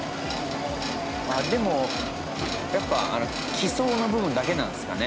まあでもやっぱ基層の部分だけなんですかね。